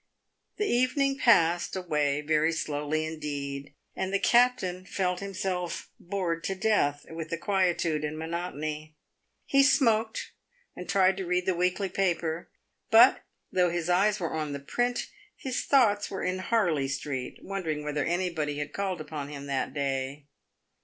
The evening passed away very slowly indeed, and the captain felt himself bored to death with the quietude and monotony. He smoked, and tried to read the weekly paper, but, though his eyes were on the print, his thoughts were in Harley street, wondering whether anybody had called upon him that day.